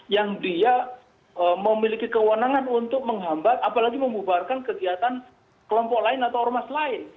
yang dia memiliki kewenangan untuk menghambat apalagi membubarkan kegiatan kelompok lain atau ormas lain